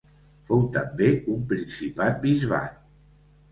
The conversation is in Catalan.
Fou també un principat-bisbat.